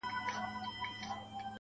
ميسج~